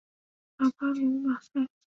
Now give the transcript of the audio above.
卡巴卢马塞。